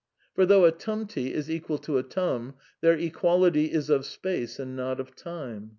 For, though a tumty is equal to a tum, their equality is of space and not of time.